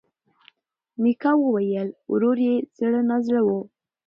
میکا وویل ورور یې زړه نا زړه و.